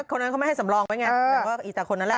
คนนั้นเขาไม่ให้สำรองไหมอีตาคนนั้นแหละ